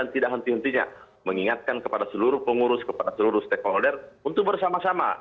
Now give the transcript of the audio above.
sebenarnya mengingatkan kepada seluruh pengurus kepada seluruh stakeholder untuk bersama sama